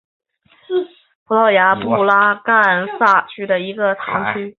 本波斯塔是葡萄牙布拉干萨区的一个堂区。